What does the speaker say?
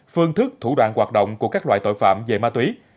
phương thức thủ đoạn hoạt động của các loại tội phạm về ma túy